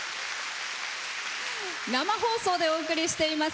生放送でお送りしています